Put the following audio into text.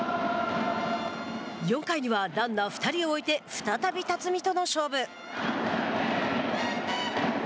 ４回にはランナー２人を置いて再び辰己との勝負。